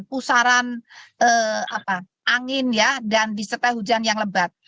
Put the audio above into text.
pusaran angin ya dan disertai hujan yang lebat